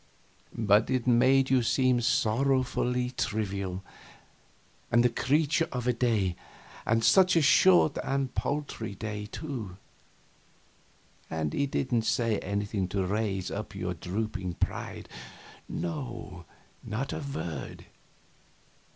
But it made you seem sorrowfully trivial, and the creature of a day, and such a short and paltry day, too. And he didn't say anything to raise up your drooping pride no, not a word.